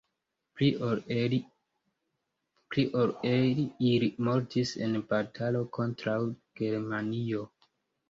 Pli ol el ili mortis en batalo kontraŭ Germanio.